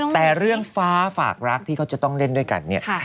แต่เรื่องฟ้าฝากรักที่เขาจะต้องเล่นด้วยกันเนี่ย